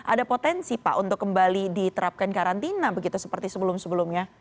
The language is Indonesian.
ada potensi pak untuk kembali diterapkan karantina begitu seperti sebelum sebelumnya